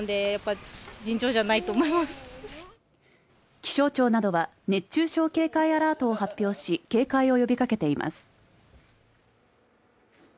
気象庁などは熱中症警戒アラートを発表し警戒を呼びかけています